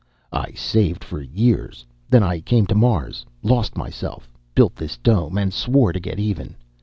"I saved for years; then I came to Mars, lost myself, built this Dome, and swore to get even.